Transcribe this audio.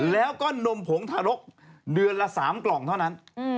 แล้วก็นมผงทารกเดือนละ๓กล่องเท่านั้น